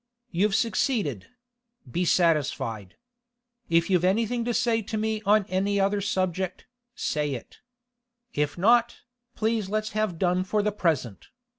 You've succeeded; be satisfied. If you've anything to say to me on any other subject, say it. If not, please let's have done for the present.